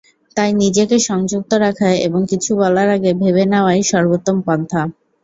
তাই নিজেকে সংযত রাখা এবং কিছু বলার আগে ভেবে নেওয়াই সর্বোত্তম পন্থা।